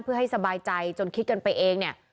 เพื่อให้สบายใจจนคิดกันไปเองเนี่ย